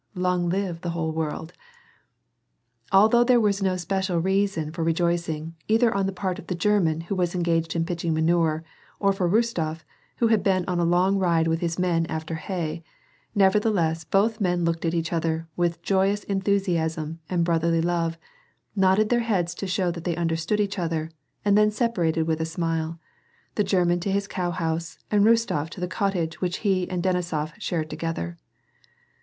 — Long live the whole world !" Although there was no special reason for rejoicing, either on the part of the (xerman who was engaged in pitching manure, or for Rostof, who had been on a long ride with his men after hay, nevertheless both men looked at each other with joyous enthusiasm and brotherly love, nodded their heads to show that they understood each other, and then separated with a smile, the German to his cowhouse, and Rostof to the cottage which he and Denisof shared together.